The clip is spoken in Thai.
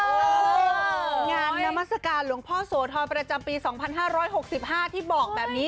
งานนามัศกาลหลวงพ่อโสธรประจำปี๒๕๖๕ที่บอกแบบนี้